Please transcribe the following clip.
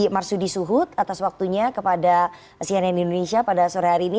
marsudi suhut atas waktunya kepada cnn indonesia pada sore hari ini